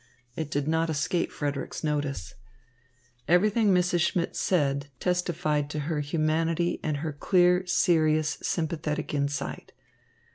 It did not escape Frederick's notice. Everything Mrs. Schmidt said testified to her humanity and her clear, serious, sympathetic insight.